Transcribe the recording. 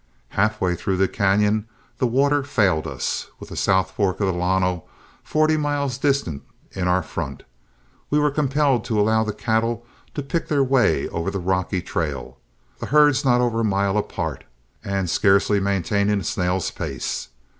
Half way through the cañon the water failed us, with the south fork of the Llano forty miles distant in our front. We were compelled to allow the cattle to pick their way over the rocky trail, the herds not over a mile apart, and scarcely maintaining a snail's pace.